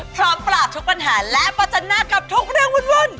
พร้อมปราบทุกปัญหาและประจันหน้ากับทุกเรื่องวุ่น